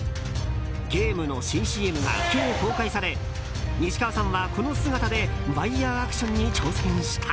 ゲームの新ＣＭが今日公開され西川さんは、この姿でワイヤアクションに挑戦した。